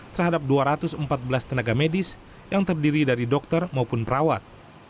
terhadap dua ratus empat belas tenaga medis yang terdiri dari dokter maupun perawat